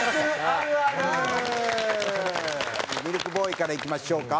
ミルクボーイからいきましょうか。